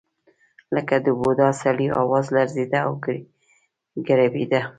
لکه د بوډا سړي اواز لړزېده او ګړبېده.